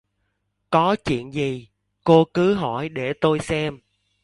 Có chuyện gì cô cứ hỏi để tôi xem